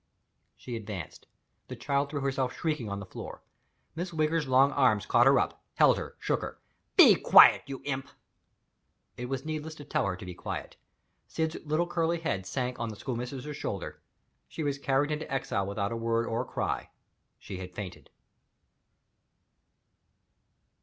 She advanced. The child threw herself shrieking on the floor. Miss Wigger's long arms caught her up held her shook her. "Be quiet, you imp!" It was needless to tell her to be quiet. Syd's little curly head sank on the schoolmistress's shoulder. She was carried into exile without a word or a cry she had fainted.